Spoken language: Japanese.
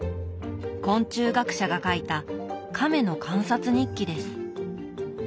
昆虫学者が書いたカメの観察日記です。